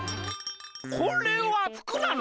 これはふくなの？